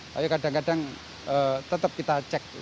tapi kadang kadang tetap kita cek